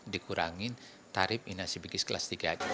dikurangin tarif inasibikis kelas tiga